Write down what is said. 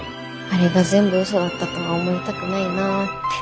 あれが全部嘘だったとは思いたくないなぁって。